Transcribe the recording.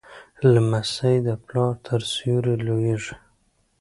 لمسی د پلار تر سیوري لویېږي.